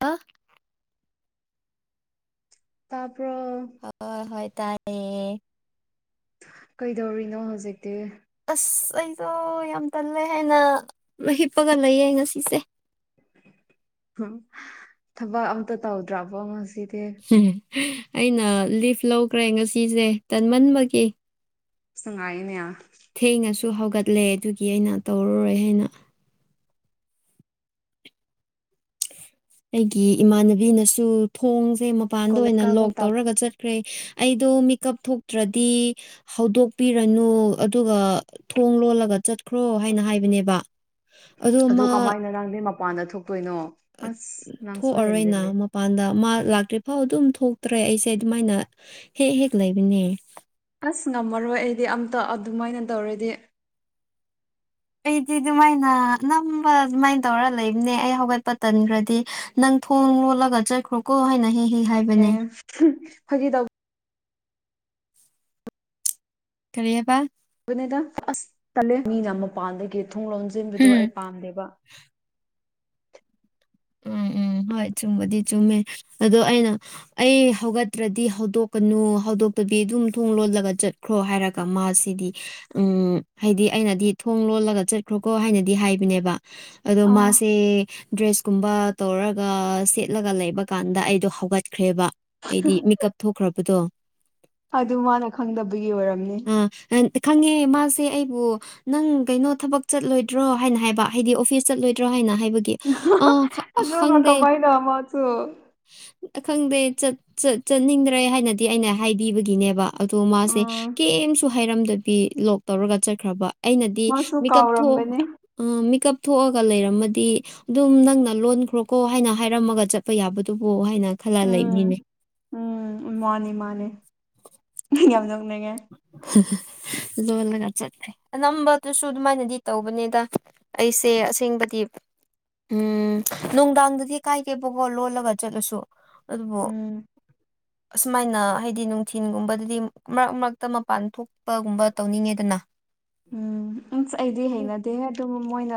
ꯑ ꯇꯄ ꯍ ꯍꯣꯏ ꯇꯥꯏ ꯀꯩꯗꯧꯔꯤꯅꯣ ꯍꯧꯖꯤꯛꯇꯤ ꯑꯁ ꯑꯩꯗꯣ ꯌꯥꯝ ꯇꯜꯂꯦ ꯍꯥꯏꯅ ꯍꯤꯞꯄꯒ ꯂꯩꯌꯦ ꯉꯁꯤꯁꯦ ꯎꯝ ꯊꯕꯛ ꯑꯝꯇ ꯇꯧꯗ꯭ꯔꯕꯣ ꯉꯁꯤꯗꯤ ꯑꯩꯅ ꯂꯤꯐ ꯂꯧꯈ꯭ꯔꯦ ꯉꯁꯤꯁꯦ ꯇꯟꯃꯟꯕꯒꯤ ꯁꯉꯥꯏꯅꯦꯌꯥ ꯊꯦꯡꯅꯁꯨ ꯍꯧꯒꯠꯂꯦ ꯑꯗꯨꯒꯤ ꯑꯩꯅ ꯇꯧꯔꯔꯣꯏ ꯍꯥꯏꯅ ꯑꯩꯒꯤ ꯏꯃꯥꯟꯅꯕꯤꯅꯁꯨ ꯊꯣꯡꯁꯦ ꯃꯄꯥꯟꯗ ꯀꯣꯂꯦꯖ ꯑꯣꯏꯅ ꯀꯥꯕ ꯂꯣꯛ ꯃꯇꯝ ꯇꯧꯔꯒ ꯆꯠ ꯀ꯭ꯔꯦ ꯑꯩꯗꯣ ꯃꯤꯀꯞ ꯊꯣꯛꯇ꯭ꯔꯗꯤ ꯍꯧꯗꯣꯛꯄꯤꯔꯅꯨ ꯑꯗꯨꯒ ꯊꯣꯡ ꯂꯣꯜꯂꯒ ꯆꯠꯈ꯭ꯔꯣ ꯍꯥꯏꯅ ꯍꯥꯏꯕꯅꯦꯕ ꯑꯗꯣ ꯑꯗꯨ ꯃꯥ ꯀꯃꯥꯏꯅ ꯅꯪꯗꯤ ꯃꯄꯥꯟꯗ ꯊꯣꯛꯇꯣꯏꯅꯣ ꯑꯁ ꯅꯪꯁꯨ ꯊꯣꯛꯑꯔꯣꯏꯅ ꯍꯦꯟꯖꯤꯜꯂꯦ ꯃꯄꯥꯟꯗ ꯃꯥ ꯂꯥꯛꯇ꯭ꯔꯤꯐꯥꯎ ꯑꯗꯨꯝ ꯊꯣꯛꯇ꯭ꯔꯦ ꯑꯩꯁꯦ ꯑꯗꯨꯃꯥꯏꯅ ꯍꯦꯛ ꯍꯦꯛ ꯂꯩꯕꯅꯦ ꯑꯁ ꯉꯝꯃꯔꯣꯏ ꯑꯩꯗꯤ ꯑꯝꯇ ꯑꯗꯨꯃꯥꯏꯅ ꯇꯧꯔꯗꯤ ꯑꯩꯗꯤ ꯑꯗꯨꯃꯥꯏꯅ ꯅꯝꯕ ꯑꯗꯨꯃꯥꯏꯅ ꯇꯧꯔ ꯂꯩꯕꯅꯦ ꯑꯩ ꯍꯧꯒꯠꯄ ꯇꯟꯈ꯭ꯔꯗꯤ ꯅꯪ ꯊꯣꯡ ꯂꯣꯠꯂꯒ ꯆꯠꯈ꯭ꯔꯣꯀꯣ ꯍꯥꯏꯅ ꯍ ꯑꯦ ꯐꯥꯒꯤ ꯇꯧꯕ ꯈꯔꯤꯦꯕꯜ ꯑꯁꯂ ꯃꯤꯅ ꯃꯄꯥꯟꯗꯒꯤ ꯊꯣꯡ ꯂꯣꯟꯁꯤꯟꯕꯗꯣ ꯍꯝ ꯑꯩ ꯄꯥꯝꯗꯦꯕ ꯎꯝ ꯎꯝ ꯍꯣꯏ ꯆꯨꯝꯕꯗꯤ ꯆꯨꯝꯃꯦ ꯑꯗꯣ ꯑꯩꯅ ꯑꯩ ꯍꯧꯒꯠꯇ꯭ꯔꯗꯤ ꯍꯧꯗꯣꯛꯀꯅꯨ ꯍꯧꯗꯣꯛꯇꯕꯤ ꯑꯗꯨꯝ ꯊꯣꯡ ꯂꯣꯜꯂꯒ ꯆꯠ ꯈ꯭ꯔꯣ ꯍꯥꯏꯔꯒ ꯃꯥꯁꯤꯗꯤ ꯎꯝ ꯍꯥꯏꯗꯤ ꯑꯩꯅꯗꯤ ꯊꯣꯡ ꯂꯣꯜꯂꯒ ꯆꯠꯈ꯭ꯔꯣꯀꯣ ꯍꯥꯏꯅꯗꯤ ꯍꯥꯏꯕꯅꯦꯕ ꯑꯗꯣ ꯑꯥ ꯃꯥꯁꯦ ꯗ꯭ꯔꯦꯁ ꯒꯨꯝꯕ ꯇꯧꯔꯒ ꯁꯦꯠꯂꯒ ꯂꯩꯕ ꯀꯥꯟꯗ ꯑꯩꯗꯣ ꯍꯧꯒꯠꯈ꯭ꯔꯦꯕ ꯍꯥꯏꯗꯤ ꯃꯦꯀꯞ ꯊꯣꯛꯈ꯭ꯔꯕꯗꯣ ꯑꯗꯨ ꯃꯥꯅ ꯈꯪꯗꯕꯒꯤ ꯑꯣꯏꯔꯝꯅꯤ ꯑ ꯈꯪꯉꯦ ꯃꯥꯁꯦ ꯑꯩꯕꯨ ꯅꯪ ꯀꯩꯅꯣ ꯊꯕꯛ ꯆꯠꯂꯣꯏꯗ꯭ꯔꯣ ꯍꯥꯏꯅ ꯍꯥꯏꯕ ꯍꯥꯏꯗꯤ ꯑꯣꯐꯤꯁ ꯆꯠꯂꯣꯏꯗ꯭ꯔꯣ ꯍꯥꯏꯅ ꯍꯥꯏꯕꯒꯤ ꯑ ꯑꯗꯨꯒ ꯈꯪꯗꯦ ꯀꯃꯥꯏꯅ ꯃꯥꯁꯨ ꯈꯪꯗꯦ ꯆꯠ ꯆꯠꯅꯤꯡꯗ꯭ꯔꯦ ꯍꯥꯏꯅꯗꯤ ꯑꯩꯅ ꯍꯥꯏꯕꯤꯕꯒꯤꯅꯦꯕ ꯑꯗꯣ ꯃꯥꯁꯦ ꯎꯝ ꯀꯦꯝꯁꯨ ꯍꯥꯏꯔꯝꯗꯕꯤ ꯂꯣꯛ ꯇꯧꯔꯒ ꯆꯠꯈ꯭ꯔꯕ ꯑꯩꯅꯗꯤ ꯃꯥꯁꯨ ꯃꯦꯀꯞ ꯊꯣꯛ ꯀꯥꯎꯔꯝꯒꯅꯤ ꯑꯥ ꯃꯦꯀꯞ ꯊꯣꯛꯑꯒ ꯂꯩꯔꯝꯃꯗꯤ ꯑꯗꯨꯝ ꯅꯪꯅ ꯂꯣꯟꯈ꯭ꯔꯣꯀꯣ ꯍꯥꯏꯅ ꯍꯥꯏꯔꯝꯃꯒ ꯆꯠꯄ ꯌꯥꯕꯗꯨꯕꯨ ꯍꯥꯏꯅ ꯈꯜꯂ ꯂꯩꯕꯅꯤꯅꯦ ꯎꯝ ꯎꯝ ꯃꯥꯅꯦ ꯃꯥꯅꯦ ꯅꯪ ꯌꯥꯝ ꯅꯣꯛꯅꯤꯡꯉꯦ ꯂ‌ꯣꯟꯂꯒ ꯆꯠꯈꯔ‌ꯦ ꯑꯅꯝꯕꯗꯨꯁꯨ ꯑꯗꯨꯃꯥꯏꯅꯗꯤ ꯇꯧꯕꯅꯤꯗ ꯑꯩꯁꯦ ꯑꯁꯦꯡꯕꯗꯤ ꯎꯝ ꯅꯨꯡꯗꯥꯡꯗꯗꯤ ꯀꯥꯏꯒꯦꯕꯀꯣ ꯂꯣꯜꯂꯒ ꯆꯠꯂꯁꯨ ꯑꯗꯨꯕꯨ ꯎꯝ ꯑꯁꯨꯃꯥꯏꯅ ꯍꯥꯏꯗꯤ ꯅꯨꯡꯊꯤꯟꯒꯨꯝꯕꯗꯗꯤ ꯃꯔꯛ ꯃꯔꯛ ꯇ ꯃꯄꯥꯟ ꯊꯣꯛꯄꯒꯨꯝꯕ ꯇꯧꯅꯤꯡꯉꯦꯗꯅ ꯎꯝ ꯎꯝꯁ ꯑꯩꯗꯤ ꯍꯩꯅꯗꯦꯍ‌ꯦ ꯑꯗꯨꯕꯨ ꯃꯣꯏꯅ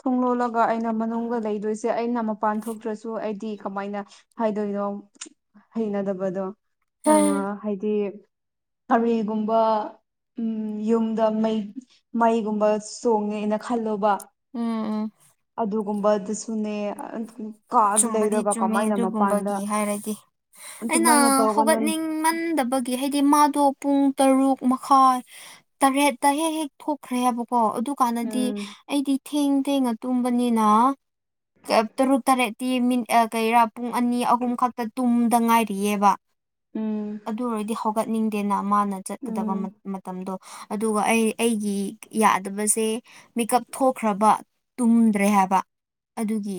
ꯊꯣꯡ ꯂꯣꯜꯂꯒ ꯑꯩꯅ ꯃꯅꯨꯡꯗ ꯂꯩꯗꯣꯏꯁꯦ ꯑꯩꯅ ꯃꯄꯥꯟ ꯊꯣꯛꯇ꯭ꯔꯁꯨ ꯑꯩꯗꯤ ꯀꯃꯥꯏꯅ ꯍꯥꯏꯗꯣꯏꯗꯣ ꯍꯩꯅꯗꯕꯗꯣ ꯑ ꯎꯝ ꯍꯥꯏꯗꯤ ꯀꯔꯤꯒꯨꯝꯕ ꯎꯝ ꯌꯨꯝ ꯗ ꯃꯩ ꯃꯩꯒꯨꯝꯕ ꯆꯣꯡꯉꯦꯅ ꯈꯜꯂꯣꯕ ꯎꯝ ꯎꯝ ꯑꯗꯨꯒꯨꯝꯕ ꯑꯗꯨ ꯁꯨꯅꯦ ꯆꯨꯝꯕꯗꯤ ꯆꯨꯝꯃꯦ ꯑꯗꯨꯒꯨꯝꯕꯒꯤ ꯍꯥꯏꯔꯗꯤ ꯑꯩꯅ ꯑꯗꯨꯃꯥꯏꯅ ꯇꯧꯒꯅꯨ ꯍꯧꯒꯠꯅꯤꯡꯃꯟꯗꯕ ꯒꯤ ꯍꯥꯏꯗꯤ ꯃꯥꯗꯣ ꯄꯨꯡ ꯇꯔꯨꯛ ꯃꯈꯥꯏ ꯇꯔꯦꯠ ꯇꯔꯦꯠꯇ ꯍꯦꯛ ꯍꯦꯛ ꯊꯣꯛꯈ꯭ꯔꯦ ꯍꯥꯏꯕꯀꯣ ꯑꯗꯨꯀꯥꯟꯗꯗꯤ ꯎꯝ ꯑꯩꯗꯤ ꯊꯦꯡ ꯊꯦꯡꯅ ꯇꯨꯝꯕꯅꯤꯅ ꯀꯩꯝ ꯇꯔꯨꯛ ꯇꯔꯦꯠꯇꯤ ꯃꯤꯅꯤꯠ ꯑꯥ ꯀꯩꯔꯥ ꯄꯨꯡ ꯑꯅꯤ ꯑꯍꯨꯝ ꯈꯛꯇ ꯇꯨꯝꯗ ꯉꯥꯏꯔꯤꯌ‌ꯦꯕ ꯎꯝ ꯑꯗꯨ ꯑꯣꯏꯔꯗꯤ ꯍꯧꯒꯠꯅꯤꯡꯗꯦꯅ ꯃꯥꯅ ꯆꯠꯀꯗꯕ ꯎꯝ ꯃꯇꯝꯗꯣ ꯑꯗꯨꯒ ꯑꯩ ꯑꯩꯒꯤ ꯌꯥꯗꯕꯁꯦ ꯃꯤꯀꯞ ꯊꯣꯛꯈ꯭ꯔꯕ ꯇꯨꯝꯗ꯭ꯔꯦ ꯍꯥꯏꯕ ꯑꯗꯨꯒꯤ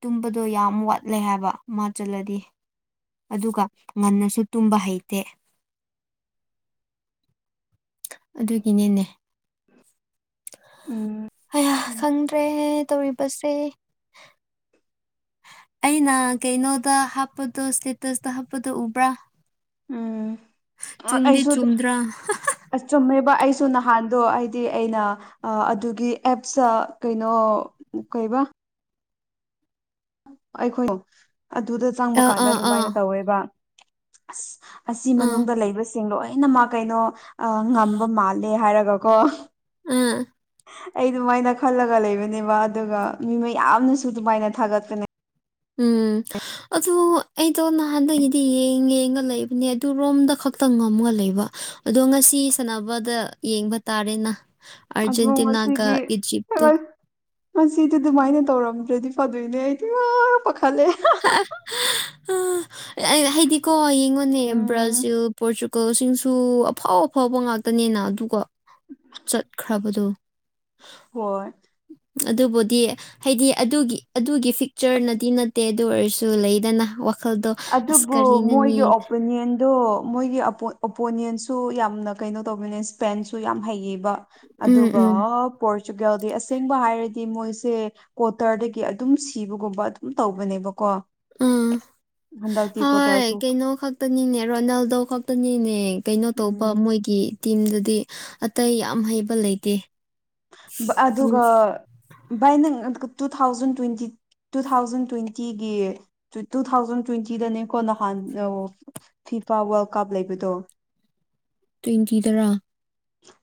ꯇꯨꯝꯕꯗꯣ ꯌꯥꯝ ꯋꯥꯠꯂꯦ ꯍꯥꯏꯕꯥ ꯃꯥ ꯆꯜꯂꯗꯤ ꯑꯗꯨꯒ ꯉꯟꯅꯁꯨ ꯇꯨꯝꯕ ꯍꯩꯇꯦ ꯑꯗꯨꯒꯤꯅꯤꯅꯦ ꯎꯝ ꯍꯩꯌꯥ ꯎꯝ ꯈꯪꯗ꯭ꯔꯦ ꯇꯧꯔꯤꯕꯁꯦ ꯑꯩꯅ ꯀꯩꯅꯣꯗ ꯍꯥꯞꯄꯗꯣ ꯁꯇꯦꯇꯁꯇ ꯍꯥꯞꯄꯗꯣ ꯎꯕ꯭ꯔꯥ ꯎꯝ ꯆꯨꯝꯗꯤ ꯑꯩꯁꯨ ꯆꯨꯝꯗ꯭ꯔꯥ ꯑꯁ ꯆꯨꯝꯃꯦꯕ ꯑꯩꯁꯨ ꯅꯍꯥꯟꯗꯣ ꯍꯥꯏꯗꯤ ꯑꯩꯅ ꯑꯥ ꯑꯗꯨꯒꯤ ꯑꯦꯞꯁꯇ ꯀꯩꯅꯣ ꯀꯩꯕ ꯑꯩꯈꯣꯏꯗ‌ꯣ ꯑꯗꯨꯗ ꯆꯪꯕ ꯑꯥ ꯀꯥꯟꯗ ꯑꯥ ꯑꯥ ꯑꯗꯨꯃꯥꯏꯅ ꯇꯧꯋꯦꯕ ꯑꯁ ꯑꯁꯤ ꯑꯥ ꯃꯅꯨꯡꯗ ꯂꯩꯕꯁꯤꯡ ꯂꯣꯏꯅ ꯃꯥ ꯀꯩꯅꯣ ꯑꯥ ꯉꯝꯕ ꯃꯥꯜꯂꯦ ꯍꯥꯏꯔꯒ ꯀ‌ꯣ ꯎꯝ ꯑꯩ ꯑꯗꯨꯃꯥꯏꯅ ꯈꯜꯂꯒ ꯂꯩꯕꯅꯦꯕ ꯑꯗꯨꯒ ꯃꯤ ꯃꯌꯥꯝꯅꯁꯨ ꯑꯗꯨꯃꯥꯏꯅ ꯊꯥꯒꯠꯄꯅꯦ ꯎꯝ ꯑꯗꯨ ꯑꯩꯗꯣ ꯅꯍꯥꯟꯗꯒꯤꯗꯤ ꯌꯦꯡ ꯌꯦꯡꯉ ꯂꯩꯕꯅꯦ ꯑꯗꯨ ꯔꯣꯝꯗ ꯈꯛꯇ ꯉꯝꯃꯒ ꯂꯩꯕ ꯑꯗꯣ ꯉꯁꯤ ꯁꯥꯟꯅꯕꯗ ꯌꯦꯡꯕ ꯇꯥꯔꯦꯅ ꯑꯗꯣ ꯑꯔꯖꯦꯟꯇꯤꯅꯥꯒ ꯏꯖꯤꯞꯇ‌ꯣ ꯃꯁꯤꯗꯤ ꯑꯗꯨꯃꯥꯏꯅ ꯇꯧꯔꯝꯗ꯭ꯔꯗꯤ ꯐꯗꯣꯏꯅꯦ ꯑꯩꯗꯤ ꯏꯃꯥ ꯄꯥꯈꯠꯂꯦ [unintelligible] ꯍꯥꯏꯗꯤꯀꯣ ꯌꯦꯡꯉꯣꯅꯦ ꯎꯝ ꯕ꯭ꯔꯥꯖꯤꯜ ꯄꯣꯔꯇꯨꯒꯜꯁꯤꯡꯁꯨ ꯑꯐꯥꯎ ꯑꯐꯥꯎꯕ ꯉꯥꯛꯇ ꯉꯥꯛꯇꯅꯤꯅ ꯑꯗꯨꯒ [inaudible] ꯆꯠꯈ꯭ꯔꯕꯗꯨ ꯍꯣꯏ ꯑꯗꯨꯕꯨꯗꯤ ꯍꯥꯏꯗꯤ ꯑꯗꯨꯒꯤ ꯑꯗꯨꯒꯤ ꯐꯤꯛꯆꯔꯅꯗꯤ ꯅꯠꯇꯦ ꯑꯗꯨ ꯑꯣꯏꯔꯁꯨ ꯂꯩꯗꯅ ꯋꯥꯈꯜꯗꯣ ꯑꯁ ꯑꯗꯨꯕꯨ ꯃꯣꯏꯒꯤ ꯀꯔꯤꯅꯅꯤ ꯑꯣꯄꯤꯅꯤꯌꯟꯗꯣ ꯃꯣꯏꯒꯤ ꯑꯣꯄꯣꯅꯦꯟꯁꯨ ꯌꯥꯝꯅ ꯀꯩꯅꯣ ꯇꯧꯕꯅꯦ ꯁ꯭ꯄꯦꯟꯁꯨ ꯌꯥꯝ ꯍꯩꯌꯦꯕ ꯎꯝ ꯑꯗꯨꯒ ꯎꯝ ꯄꯣꯔꯆꯨꯒꯦꯜꯗꯤ ꯑꯁꯦꯡꯕ ꯍꯥꯏꯔꯗꯤ ꯃꯣꯏꯁꯦ ꯀꯣꯇꯔꯗꯒꯤ ꯑꯗꯨꯝ ꯁꯤꯕꯒꯨꯝꯕ ꯑꯗꯨꯝ ꯇꯧꯕꯅꯦꯕꯀꯣ ꯑꯥ ꯍꯟꯗꯛꯇꯤ ꯍꯣꯏ ꯀ꯭ꯋꯥꯇꯔꯁꯨ ꯀꯩꯅꯣ ꯈꯛꯇꯅꯤꯅꯦ ꯔꯣꯅꯥꯜꯗꯣ ꯈꯛꯇꯅꯤꯅꯦ ꯀꯩꯅꯣ ꯇꯧꯕ ꯎꯝ ꯃꯣꯏꯒꯤ ꯇꯤꯝꯗꯗꯤ ꯑꯇꯩ ꯌꯥꯝ ꯍꯩꯕ ꯂꯩꯇꯦ ꯑꯗꯨꯒ ꯕꯥꯏꯅꯪ two thousand twenty two thousand ꯇ꯭ꯋꯦꯟꯇꯤꯒꯤ ꯇꯨ ꯊꯥꯎꯖꯟ ꯇ꯭ꯋꯦꯟꯇꯤꯗꯅꯦꯀꯣ ꯅꯍꯥꯟ ꯐꯤꯐꯥ ꯋꯥꯔꯜ ꯀꯞ ꯂꯩꯕꯗꯣ ꯇ꯭ꯋꯦꯟꯇꯤ ꯇꯔꯥ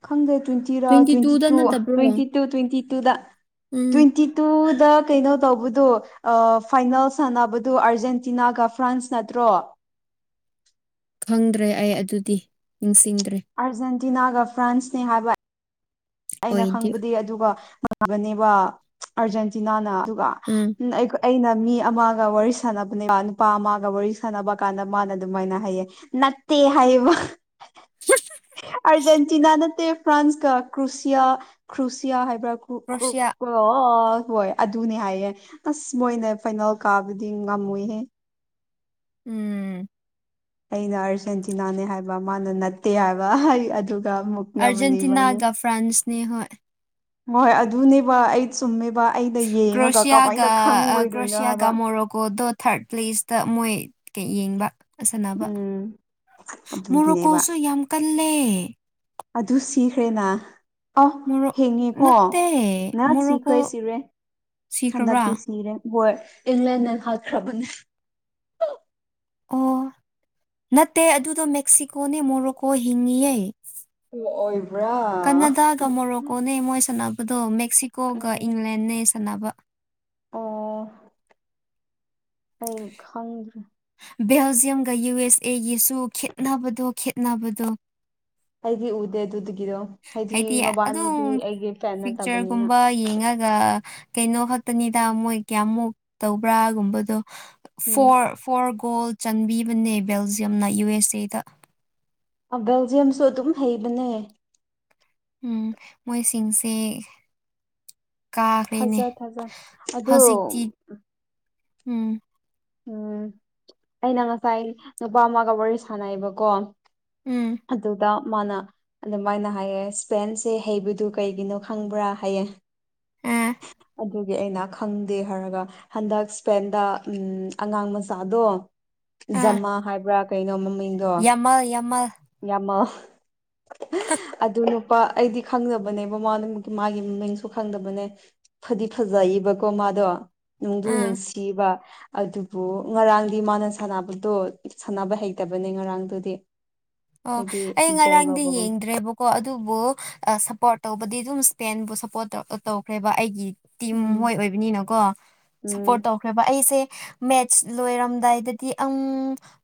ꯈꯪꯗꯦ ꯇ꯭ꯋꯦꯟꯇꯤꯔꯣ ꯇ꯭ꯋꯦꯟꯇꯤ ꯇꯨꯗ ꯇꯨ ꯅꯠꯇꯕ꯭ꯔꯣ ꯇ꯭ꯋꯦꯟꯇꯤ ꯇꯨ ꯇ꯭ꯋꯦꯟꯇꯤ ꯇꯨꯗ ꯎꯝ ꯇ꯭ꯋꯦꯟꯇꯤ ꯑꯗꯨꯗ ꯀꯩꯅꯣ ꯇꯧꯕꯗꯣ ꯐꯥꯏꯅꯦꯜ ꯁꯥꯟꯅꯕꯗꯨ ꯑꯥꯔꯖꯦꯟꯇꯤꯅꯥꯒ ꯐ꯭ꯔꯥꯟꯁ ꯅꯠꯇ꯭ꯔꯣ ꯈꯪꯗ꯭ꯔꯦ ꯑꯩ ꯑꯗꯨꯗꯤ ꯅꯤꯡꯁꯤꯡꯗ꯭ꯔꯦ ꯑꯥꯔꯖꯦꯟꯇꯤꯅꯥꯒ ꯐ꯭ꯔꯥꯟꯁꯅꯦ ꯍꯥꯏꯕ ꯑꯩꯅ ꯑꯣꯏꯗꯤ ꯈꯪꯕꯗꯤ ꯑꯗꯨꯒ ꯉꯒꯅꯦꯕ ꯑꯥꯔꯖꯦꯟꯇꯤꯅꯥꯅ ꯑꯗꯨꯒ ꯎꯝ ꯑꯩ ꯑꯩꯅ ꯃꯤ ꯑꯃꯒ ꯋꯥꯔꯤ ꯁꯥꯟꯅꯕꯅꯦ ꯅꯨꯄꯥ ꯑꯃꯒ ꯋꯥꯔꯤ ꯁꯥꯟꯅꯕ ꯀꯥꯟꯗ ꯃꯥꯅ ꯑꯗꯨꯃꯥꯏꯅ ꯍꯩꯌꯦ ꯅꯠꯇꯦ ꯍꯥꯏꯕ ꯑꯥꯔꯖꯦꯟꯇꯤꯅꯥ ꯅꯠꯇꯦ ꯐ꯭ꯔꯥꯟꯁꯀ ꯀ꯭ꯔꯨꯁꯤꯌꯥ ꯀ꯭ꯔꯨꯁꯤꯌꯥ ꯍꯥꯏꯕ꯭ꯔ ꯀ꯭ꯔꯣꯁꯤꯌꯥ ꯑꯣ ꯍꯣꯏ ꯑꯗꯨꯅꯦ ꯍꯥꯏꯌꯦ ꯑꯁ ꯃꯣꯏꯅ ꯐꯥꯏꯅꯜ ꯀꯥꯕꯗꯤ ꯉꯝꯃꯣꯏꯍꯦ ꯎꯝ ꯑꯩꯅ ꯑꯥꯔꯖꯦꯟꯇꯤꯅꯥꯅꯦ ꯍꯥꯏꯕ ꯃꯥꯅ ꯅꯠꯇꯦ ꯍꯥꯏꯕ ꯑꯗꯨꯒ ꯑꯃꯨꯛ ꯑꯔꯖꯦꯟꯇꯤꯅꯥꯒ ꯐ꯭ꯔꯥꯟꯁꯅꯦ ꯍꯣꯏ ꯍꯣꯏ ꯑꯗꯨꯅꯦꯕ ꯑꯩ ꯆꯨꯝꯃꯦꯕ ꯑꯩꯅ ꯌꯦꯡꯉꯒ ꯀꯃꯥꯏꯅ ꯀ꯭ꯔꯣꯁꯤꯌꯥꯒ ꯈꯪꯉꯣꯏꯗꯣꯏꯅꯣ ꯀ꯭ꯔꯣꯁꯤꯌꯥꯒ ꯍꯥꯏꯕ ꯃꯔꯒꯣ ꯑꯗꯨꯣ ꯊꯥꯔꯠ ꯄ꯭ꯂꯦꯁꯇ ꯃꯣꯏ ꯀꯩ ꯌꯦꯡꯕ ꯑꯁꯅꯕ ꯎꯝ ꯑꯗꯨꯒꯤꯅꯦꯕ ꯃꯣꯔꯣꯀꯣꯁꯨ ꯌꯥꯝ ꯀꯜꯂꯦ ꯑꯗꯨ ꯁꯤꯈ꯭ꯔꯦꯅ ꯑ ꯃꯣꯔꯣ ꯊꯦꯡꯉꯦꯀꯣ ꯅꯠꯇꯦ ꯅ ꯁꯤꯈ꯭ꯔꯦ ꯃꯣꯔꯣꯀꯣ ꯁꯤꯔꯦ ꯍꯟꯗꯛꯇꯤ ꯁꯤꯈ꯭ꯔꯕ꯭ꯔꯥ ꯁꯤꯔꯦ ꯏꯪꯂꯦꯟꯅ ꯍꯥꯠꯈ꯭ꯔꯕꯅꯦ ꯑꯣ ꯅꯠꯇꯦ ꯑꯗꯨꯗꯣ ꯃꯦꯛꯁꯤꯀꯣꯅꯦ ꯃꯣꯔꯣꯀꯣ ꯍꯤꯡꯉꯤꯌꯦ ꯑꯣ ꯑꯣꯏ ꯀꯅꯥꯗꯥꯒ ꯃꯣꯔꯣꯀꯣꯅꯦ ꯃꯣꯏ ꯁꯥꯟꯅꯕꯗꯣ ꯃꯦꯛꯁꯤꯀꯣꯒ ꯎꯝ ꯏꯪꯂꯦꯟꯅꯦ ꯁꯥꯟꯅꯕ ꯑꯣ ꯑꯩ ꯈꯪꯗ꯭ꯔꯦ ꯕꯦꯜꯖꯤꯌꯝꯒ ꯌꯨ ꯑꯦꯁ ꯑꯦꯒꯤꯁꯨ ꯈꯦꯠꯅꯕꯗꯣ ꯈꯦꯠꯅꯕꯗꯣ ꯑꯩꯗꯤ ꯎꯗꯦ ꯑꯗꯨꯒꯤꯗꯣ ꯍꯥꯏꯗꯤ ꯑꯗꯨꯝ ꯐꯦꯟ ꯅꯠꯇꯕꯅꯤꯅ ꯐꯤꯛꯆꯔꯒꯨꯝꯕ ꯌꯦꯡꯉꯒ ꯀꯩꯅꯣ ꯈꯛꯇꯅꯤꯗ ꯃꯣꯏ ꯀꯌꯥꯃꯨꯛ ꯇꯧꯕ꯭ꯔꯥꯒꯨꯝꯕꯗꯣ ꯎꯝ ꯐꯣꯔ ꯐꯣꯔ ꯒꯣꯜ ꯆꯟꯕꯤꯕꯅꯦ ꯕꯦꯜꯖꯤꯌꯝꯅ ꯌꯨ ꯑꯦꯁ ꯑꯦꯗ ꯕꯦꯜꯖꯤꯌꯝꯁꯨ ꯑꯗꯨꯝ ꯍꯩꯕꯅꯦ ꯎꯝ ꯃꯣꯏꯁꯤꯡꯁꯦ ꯀꯥꯈ꯭ꯔꯦꯅꯦ ꯊꯥꯖ ꯊꯥꯖ ꯑꯗꯣ ꯍꯧꯖꯤꯛꯇꯤ ꯎꯝ ꯎꯝ ꯑꯩꯅ ꯉꯁꯥꯏ ꯅꯨꯄꯥ ꯑꯃꯒ ꯋꯥꯔꯤ ꯁꯥꯟꯅꯩꯑꯕꯀꯣ ꯎꯝ ꯑꯗꯨꯗ ꯃꯥꯅ ꯑꯗꯨꯃꯥꯏꯅ ꯍꯥꯏꯌꯦ ꯏꯁꯄꯦꯟꯁꯦ ꯍꯩꯕꯗꯨ ꯀꯩꯒꯤꯅꯣ ꯈꯪꯕ꯭ꯔ ꯍꯥꯏꯌꯦ ꯑꯥ ꯑꯗꯨꯒꯤ ꯑꯩꯅ ꯈꯪꯗꯦ ꯍꯥꯏꯔꯒ ꯍꯟꯗꯛ ꯏꯁꯄꯦꯟꯗ ꯎꯝ ꯑꯉꯥꯥꯡ ꯃꯆꯥꯗꯣ ꯖꯝꯃꯥ ꯍꯥꯏꯕ꯭ꯔꯥ ꯀꯩꯅꯣ ꯃꯃꯤꯡꯗꯣ ꯌꯥꯝꯜ ꯌꯥꯃꯜ ꯌꯥꯃꯜ ꯑꯗꯨ ꯅꯞ ꯄꯥ ꯑꯩꯗꯤ ꯈꯪꯗꯕꯅꯦꯕ ꯃꯥꯅ ꯃꯥꯒꯤ ꯃꯃꯤꯡꯁꯨ ꯈꯪꯗꯕꯅꯦ ꯐꯗꯤ ꯐꯖꯌꯦꯕꯀꯣ ꯃꯥꯗꯣ ꯅꯨꯡꯗꯨ ꯑꯥ ꯅꯨꯡꯁꯤꯕ ꯑꯗꯨꯕꯨ ꯉꯔꯥꯡꯗꯤ ꯃꯥꯅ ꯁꯥꯟꯅꯕꯗꯣ ꯁꯥꯟꯅꯕ ꯍꯩꯇꯕꯅꯦ ꯉꯔꯥꯡꯗꯨꯗꯤ ꯑꯣ ꯍꯥꯏꯗꯤ ꯑꯩ ꯕꯣꯜ ꯉꯔꯥꯡꯗꯤ ꯂꯧꯕꯒꯨꯝ ꯌꯦꯡꯗ꯭ꯔꯦꯕꯣ ꯀꯣ ꯑꯗꯨꯕꯨ ꯑꯥ ꯁꯞꯄꯣꯔꯠ ꯇꯧꯕꯗꯤ ꯑꯗꯨꯝ ꯁꯄꯦꯟꯕꯨ ꯁꯞꯄꯣꯔꯠ ꯇꯧꯈ꯭ꯔꯦꯕ ꯑꯩꯒꯤ ꯇꯤꯝ ꯎꯝ ꯃꯣꯏ ꯑꯣꯏꯕꯅꯤꯅꯀꯣ ꯎꯝ ꯁꯞꯄꯣꯔꯠ ꯇꯧ ꯈ꯭ꯔꯦꯕ ꯑꯩꯁꯦ ꯃꯦꯠꯁ ꯂꯣꯏꯔꯝꯗꯥꯏꯗꯗꯤ ꯑꯪ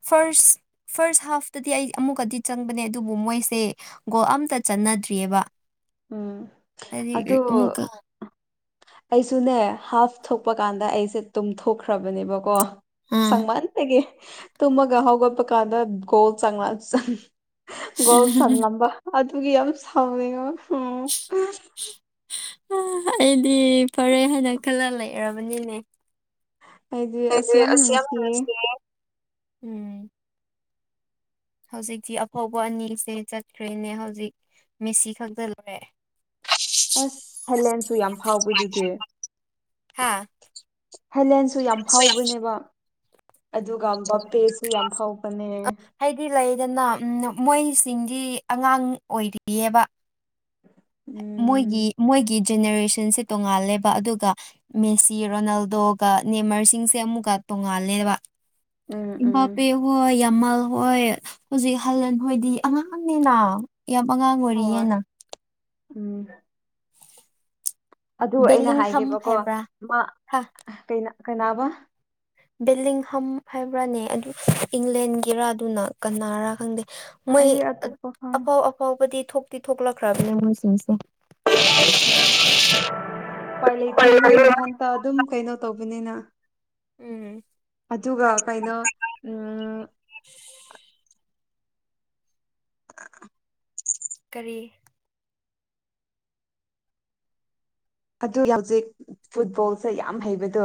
ꯐꯥꯔꯁ ꯐꯔꯥꯁ ꯍꯥꯐꯇꯗꯤ ꯑꯩ ꯑꯃꯨꯛꯀꯗꯤ ꯆꯪꯕꯅꯦ ꯑꯗꯨꯕꯨ ꯃꯣꯏꯁꯦ ꯒꯣꯜ ꯑꯝꯇ ꯆꯠꯅꯗ꯭ꯔꯤꯌꯦꯕ ꯎꯝ ꯑꯗꫭ ꯑꯃꯨꯛꯀ ꯑꯩꯁꯨꯅꯦ ꯍꯥꯐ ꯊꯣꯛꯄ ꯀꯥꯟꯗ ꯑꯩꯁꯦ ꯇꯨꯝꯊꯣꯛꯈ꯭ꯔꯕꯅꯦꯕꯀꯣ ꯑꯥ ꯆꯪꯃꯥꯟꯕꯒꯤ ꯇꯃꯒ ꯍꯒꯄꯥꯟꯗ ꯣꯜ ꯁꯪꯃꯥꯟ [unintelligible] ꯒꯣꯜ ꯆꯟꯂꯝꯕ ꯑꯗꯨꯒꯤ ꯌꯥꯝ ꯁꯥꯎꯅꯤꯡꯕ ꯎꯝ ꯑꯩꯗꯤ ꯐꯔꯦ ꯍꯥꯏꯅ ꯈꯜꯂ ꯂꯩꯔꯕꯅꯤꯅꯦ ꯑꯩꯗꯤ ꯑꯁ ꯁ ꯌꯥꯝ ꯅꯨꯡꯁꯤꯌꯦ ꯃꯔꯁ [unintelligible] ꯎꯝ ꯍꯧꯖꯤꯛꯇꯤ ꯑꯐꯧꯕ ꯑꯅꯤꯁꯦ ꯆꯠꯈ꯭ꯔꯦꯅꯦ ꯍꯧꯖꯤꯛ ꯃꯦꯁꯤ ꯈꯛꯇ ꯂꯣꯏꯔꯦ ꯑꯁ ꯍꯦꯂꯦꯟꯁꯨ ꯌꯥꯝ ꯐꯥꯎꯕꯗꯨꯗꯤ ꯍꯥꯥ ꯍ‌ꯦꯂꯦꯟꯁꯨ ꯌꯥꯝ ꯐꯥꯎꯕꯅꯦꯕ ꯑꯗꯨꯒ ꯕꯥꯄꯦꯁꯨ ꯑꯗꯨ ꯌꯥꯝ ꯐꯥꯎꯕꯅꯦ ꯍꯥꯏꯗꯤ ꯂꯩꯗꯅ ꯃꯣꯏꯁꯤꯡꯗꯤ ꯑꯉꯥꯡ ꯑꯣꯏꯔꯤꯌꯦꯕ ꯎꯝ ꯃꯣꯏꯒꯤ ꯃꯣꯏꯒꯤ ꯖꯦꯅꯦꯔꯦꯁꯟꯁꯦ ꯇꯣꯡꯉꯥꯜꯂꯦꯕ ꯑꯗꯨꯒ ꯃꯦꯁꯤ ꯔꯣꯅꯥꯜꯗꯣꯒ ꯅꯦꯃꯔꯁꯤꯡꯁꯦ ꯑꯃꯨꯛꯀ ꯇꯣꯡꯉꯥꯜꯂꯦꯕ ꯎꯝ ꯎꯝ ꯏꯝꯕꯥꯄꯦ ꯍꯣꯏ ꯌꯥꯝꯃꯜ ꯍꯣꯏ ꯍꯧꯖꯤꯛ ꯍꯜꯂꯥꯟ ꯍꯣꯏꯗꯤ ꯑꯉꯥꯡꯅꯤꯅ ꯌꯥꯝ ꯑꯉꯥꯡ ꯍꯣꯏ ꯑꯣꯏꯔꯤꯌꯦꯅ ꯎꯝ ꯑꯗꯨ ꯑꯩꯅ ꯕꯦꯂꯤꯡꯍꯝ ꯍꯥꯏꯒ‌ꯦꯕꯀꯣ ꯍꯥꯏꯕ꯭ꯔꯥ ꯃꯥ ꯍꯥ ꯀꯩꯅꯥ ꯀꯩꯅꯥꯕ ꯕꯦꯂꯤꯡꯍꯝ ꯍꯥꯏꯕ꯭ꯔꯅꯦ ꯑꯗꯨ ꯏꯪꯂꯦꯟꯒꯤꯔꯥ ꯑꯗꯨꯅ ꯀꯅꯥꯔ ꯈꯪꯗꯦ ꯃꯣꯏ ꯑꯩ ꯑꯇꯣꯞꯄ ꯈꯪ ꯑꯐꯥꯎ ꯑꯐꯥꯎꯕꯗꯤ ꯊꯣꯛꯇꯤ ꯊꯣꯛꯂꯛꯈ꯭ꯔꯕꯅꯦ ꯃꯣꯏꯁꯤꯡꯁꯦ ꯎꯝ ꯎꯄꯥꯏ ꯂꯩꯇ‌ꯦ ꯃꯣꯏ ꯃꯊꯟꯇ ꯑꯗꯨꯝ ꯀꯩꯅꯣ ꯇꯧꯕꯅꯤꯅ ꯎꯝ ꯑꯗꯨꯒ ꯀꯩꯅꯣ ꯎꯝ [unintelligible] ꯀꯔꯤ ꯑꯗꯨ ꯍꯧꯖꯤꯛ ꯐꯨꯠꯕꯣꯜꯁꯦ ꯌꯥꯝ ꯍꯩꯕꯗꯣ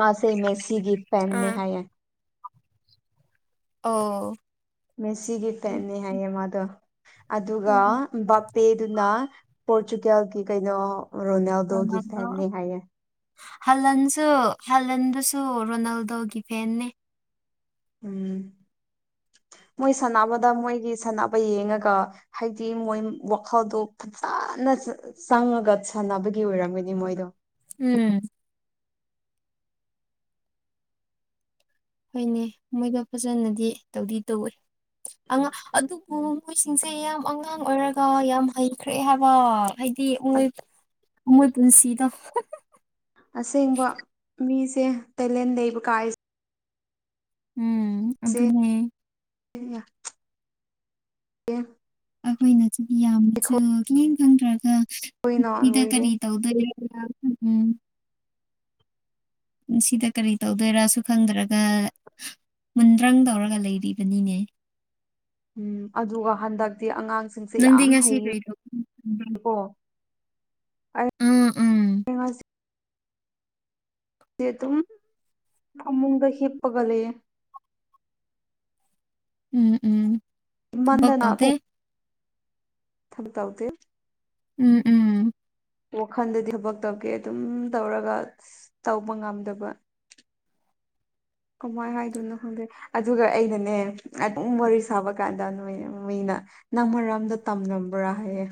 ꯃꯥꯥꯁꯦ ꯃꯦꯁꯤ ꯒꯤ ꯐ‌ꯦꯟꯅꯤ ꯑꯥ ꯍꯥꯏꯌ‌ꯦ ꯑꯣ ꯃꯦꯁꯤꯒꯤ ꯐꯦꯟꯅꯦ ꯍꯥꯏꯌꯦ ꯃꯥꯗꯣ ꯑꯗꯨꯒ ꯎꯝ ꯕ ꯄꯦꯗꯨꯅ ꯄꯣꯔꯇꯨꯒꯜꯒꯤ ꯀꯩꯅꯣ ꯔꯣꯅꯥꯜꯗꯣꯒꯤ ꯐꯦꯟꯅ‌ꯦ ꯍꯥꯏꯌꯦ ꯍꯜꯂꯟꯁꯨ ꯍꯂꯟꯗꯨꯁꯨ ꯔꯣꯅꯥꯜꯗꯣꯒꯤ ꯐꯦꯟꯅꯦ ꯎꯝ ꯃꯣꯏ ꯁꯥꯟꯅꯕꯗ ꯃꯣꯏꯒꯤ ꯁꯥꯟꯅꯕ ꯌꯦꯡꯉꯒ ꯍꯥꯏꯗꯤ ꯃꯣꯏ ꯋꯥꯈꯜꯗꯣ ꯁꯥꯟꯅ ꯆꯪꯉꯒ ꯁꯥꯟꯅꯕꯒꯤ ꯑꯣꯏꯔꯝꯒꯅꯤ ꯃꯣꯏꯗꯣ ꯎꯝ ꯍꯣꯏꯅꯦ ꯃꯣꯏꯗꯣ ꯐꯖꯅꯗꯤ ꯇꯧꯗꯤ ꯇꯧꯋꯦ ꯑꯉꯥꯡ ꯑꯗꯨꯕꯨ ꯃꯣꯏꯁꯤꯡꯁꯦ ꯌꯥꯝ ꯑꯉꯥꯡ ꯑꯣꯏꯔꯒ ꯌꯥꯝ ꯍꯩꯈ꯭ꯔꯦ ꯍꯥꯏꯕ ꯍꯥꯏꯗꯤ ꯃꯣꯏ ꯃꯣꯏ ꯄꯨꯟꯁꯤꯗꯣ ꯑꯁꯦꯡꯕ ꯃꯤꯁꯦ ꯇꯦꯂꯦꯟꯇ ꯂꯩꯕ ꯀꯥꯏꯁꯦ ꯎꯝ ꯑꯗꯨ ꯑꯗꯨꯅꯦ ꯑꯦ ꯑꯩꯈꯣꯏꯅꯁꯨ ꯌꯥꯝꯅꯁꯨ ꯌꯦꯦꯡ ꯈꯪꯗ꯭ꯔꯒ ꯅꯨꯄꯤꯗ ꯂꯣꯏꯔꯦ ꯀꯔꯤ ꯇꯧꯗ ꯎꯝ ꯁꯤꯗ ꯀꯔꯤ ꯇꯧꯗꯣꯏꯔꯁꯨ ꯈꯪꯗꯔꯒ ꯃꯨꯟꯗ꯭ꯔꯪ ꯇꯧꯔꯒ ꯂꯩꯔꯤꯕꯅꯤꯅꯦ ꯎꯝ ꯑꯗꯨꯒ ꯍꯟꯗꯛꯇꯤ ꯑꯉꯥꯡꯁꯤꯡꯁꯦ ꯅꯪꯗꯤ ꯌꯥꯝ ꯉꯁꯤ ꯀꯔꯤ ꯇꯧ ꯍꯩꯀꯣ ꯎꯝ ꯎꯝ ꯌꯦ ꯑꯃꯃꯨꯡꯗ ꯍꯤꯞꯄꯒ ꯂꯩ ꯎꯝ ꯎꯝ ꯊꯕꯛ ꯏꯃꯟꯗꯅ ꯇꯧꯗꯦ ꯊꯝ ꯇꯧꯗ ꯎꯝ ꯎꯝ ꯋꯥꯈꯜꯗꯗꯤ ꯊꯕꯛ ꯇꯧꯒꯦ ꯑꯗꯨꯝ ꯇꯧꯔꯒ ꯇꯧꯕ ꯉꯝꯗꯕ [inaudible] ꯀꯃꯥꯏ ꯍꯥꯏ ꯑꯗꯨꯅ ꯍꯧꯗꯦ ꯑꯗꯨꯒ ꯑꯩꯅꯅꯦ ꯑꯗꯨꯝ ꯋꯥꯔꯤ ꯁꯥꯕ ꯀꯥꯟꯗ ꯅꯣꯏ ꯃꯤꯩꯅ ꯅꯪ ꯃꯔꯣꯝꯗ ꯇꯝꯂꯝꯕ꯭ꯔꯥ ꯍꯥꯏꯌꯦ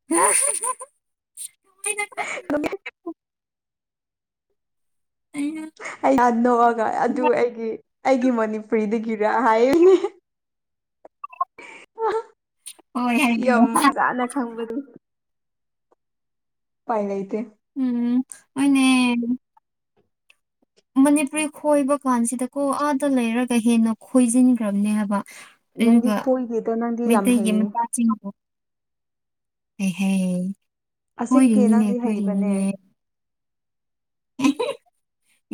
[inaudible] ꯑꯗꯨ ꯑꯩꯅ ꯑꯩ ꯅꯣꯛꯑꯒ ꯑꯗꯨ ꯑꯩꯒꯤ ꯑꯩꯒꯤ ꯃꯅꯤꯄꯨꯔꯤꯗꯒꯤ ꯔ ꯍꯥꯏꯅꯦ ꯍꯣꯏ ꯌꯥꯝ ꯍꯥꯏꯕ ꯐꯖꯅ ꯈꯪꯕꯗꯨ ꯄꯥꯏꯂ ꯏꯇꯦ ꯎꯝ ꯍꯣꯏꯅꯦ ꯃꯅꯤꯄꯨꯔꯤ ꯈꯣꯏꯕ ꯀꯥꯟꯁꯤꯗ ꯀꯣ ꯑꯥꯗ ꯂꯩꯔꯒ ꯍꯦꯟꯅ ꯈꯣꯏꯖꯤꯟꯈ꯭ꯔꯕꯅꯦ ꯍꯥꯏꯕ ꯅꯪꯗꯤ ꯑꯗꯨꯒ ꯈꯣꯏꯗꯦꯗ ꯅꯪꯗꯤ ꯌꯥꯝ ꯃꯩꯇꯩꯒꯤ ꯍꯩꯌꯦ ꯃꯆꯥꯁꯤꯡꯕꯨ ꯍ ꯍ ꯑꯁꯦꯡꯀꯤ ꯀꯣꯏꯔꯤꯅꯤꯅꯦ ꯅꯪꯗꯤ ꯍꯩꯕꯅꯦ ꯀꯣꯏꯔꯤꯅꯤꯅꯦ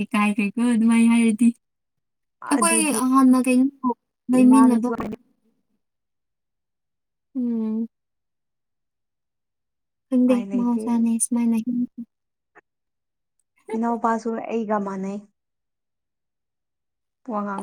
ꯏꯀꯥꯏꯈꯩꯀꯣ ꯑꯗꯨꯃꯥꯏꯅ ꯍꯥꯏꯔꯗꯤ ꯑꯩꯈꯣꯏ ꯑꯗꯨꯒꯤ ꯍꯥꯟꯅ ꯀꯩꯅꯣ ꯂꯩꯃꯤꯟꯅꯕ ꯏꯃꯥꯅꯁꯨ ꯎꯝ ꯈꯗꯦ ꯎꯄꯥꯏ ꯂꯩꯇꯦ ꯃꯍꯎꯁꯥꯅꯦ ꯏ ꯏꯁꯃꯥꯏꯜ ꯏꯅꯥꯎꯄꯥꯁꯨ ꯑꯩꯒ ꯃꯥꯟꯅꯩ ꯋꯥ ꯉꯥꯡ